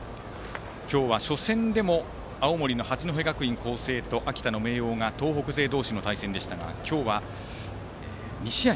今日は初戦でも青森の八戸学院光星と秋田の明桜が東北勢同士の対戦でしたが今日は２試合